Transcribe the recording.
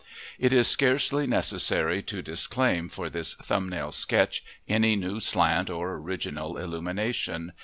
It is scarcely necessary to disclaim for this thumbnail sketch any new slant or original illumination.